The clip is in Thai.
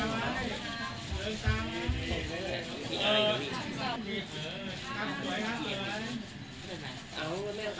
รู้จัก